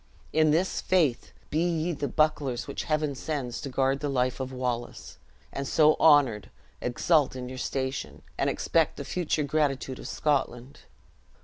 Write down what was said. In this faith, be ye the bucklers which Heaven sends to guard the life of Wallace; and, so honored, exult in your station, and expect the future gratitude of Scotland."